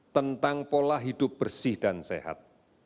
tentang pola hidup bersih dan sehat